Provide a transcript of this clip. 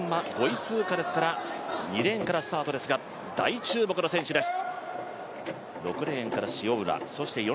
手前から２人目、潘展樂は予選５位通過ですから２レーンからスタートですが大注目の選手です。